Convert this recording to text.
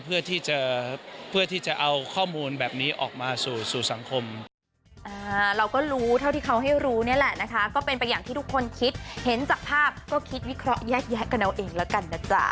เพื่อที่จะเอาข้อมูลแบบนี้ออกมาสู่สู่สังคม